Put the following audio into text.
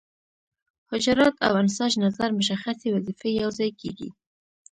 حجرات او انساج نظر مشخصې وظیفې یوځای کیږي.